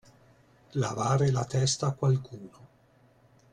Lavare la testa a qualcuno.